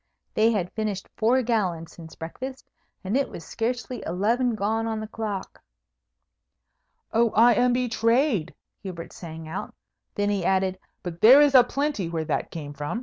They had finished four gallons since breakfast, and it was scarcely eleven gone on the clock! "Oh, I am betrayed!" Hubert sang out. Then he added, "But there is a plenty where that came from."